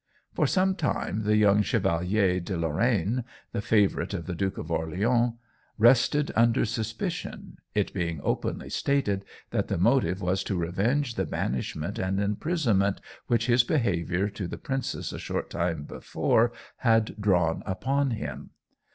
For some time the young Chevalier De Lorraine, the favourite of the Duke of Orleans, rested under suspicion, it being openly stated that the motive was to revenge the banishment and imprisonment which his misbehaviour to the princess a short time before had drawn upon him.